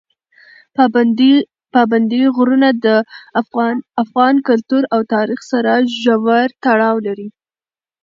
پابندي غرونه د افغان کلتور او تاریخ سره ژور تړاو لري.